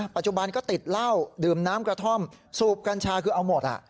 ปัจจุบันก็ติดเหล้าดื่มน้ำกระท่อมสูบกัญชาคือเอาหมด